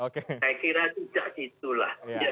saya kira tidak gitu lah